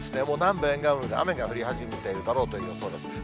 もう南部沿岸部で雨が降り始めているだろうという予想です。